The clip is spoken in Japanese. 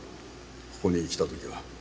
ここに来た時は。